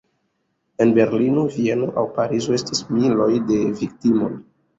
En Berlino, Vieno aŭ Parizo estis miloj da viktimoj.